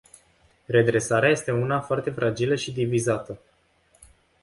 Redresarea este una foarte fragilă și divizată.